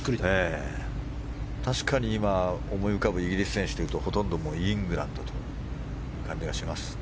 確かに今、思い浮かぶイギリス選手というとほとんどイングランドという感じがします。